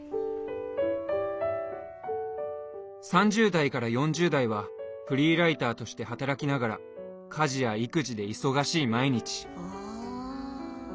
３０代から４０代はフリーライターとして働きながら家事や育児で忙しい毎日。